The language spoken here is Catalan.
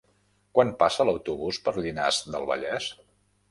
Quan passa l'autobús per Llinars del Vallès?